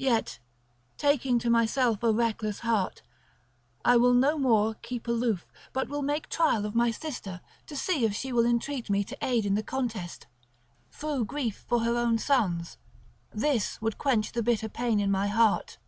Yet, taking to myself a reckless heart, I will no more keep aloof but will make trial of my sister to see if she will entreat me to aid in the contest, through grief for her own sons; this would quench the bitter pain in my heart."